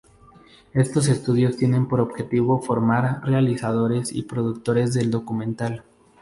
Estos estudios tienen por objetivo formar realizadores y productores del documental.